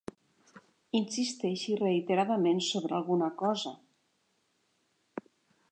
Insisteixi reiteradament sobre alguna cosa.